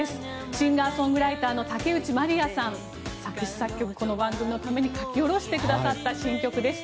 シンガー・ソングライターの竹内まりやさん作詞作曲、この番組のために書き下ろしてくださった新曲です。